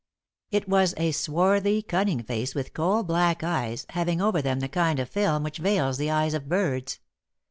It was a swarthy, cunning face with coal black eyes, having over them the kind of film which veils the eyes of birds.